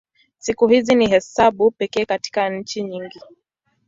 Siku hizi ni hesabu pekee katika nchi nyingi.